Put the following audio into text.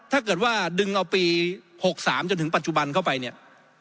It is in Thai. ถ้าเกิดว่าดึงเอาปี๖๓จนถึงปัจจุบันเข้าไปเนี่ย